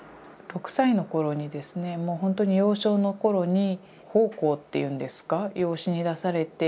６歳の頃にですねもうほんとに幼少の頃に奉公っていうんですか養子に出されて。